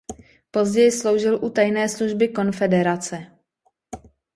Později sloužil u tajné služby konfederace.